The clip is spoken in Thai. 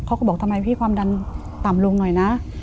เขาบอกทำไมพี่ความดันต่ำลงหน่อยนะ